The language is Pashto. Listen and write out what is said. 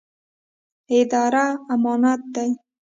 اداره امانت دی